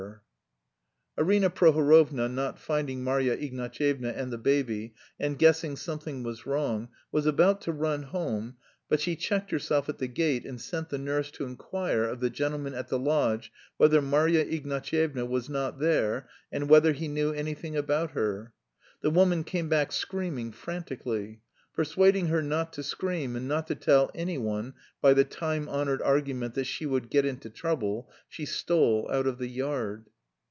Arina Prohorovna not finding Marya Ignatyevna and the baby, and guessing something was wrong, was about to run home, but she checked herself at the gate and sent the nurse to inquire of the gentleman at the lodge whether Marya Ignatyevna was not there and whether he knew anything about her. The woman came back screaming frantically. Persuading her not to scream and not to tell anyone by the time honoured argument that "she would get into trouble," she stole out of the yard.